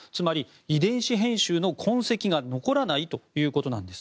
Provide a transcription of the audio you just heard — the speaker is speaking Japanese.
遺伝子編集の痕跡が残らないということなんです。